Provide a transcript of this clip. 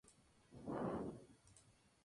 Museo de Arte Costarricense.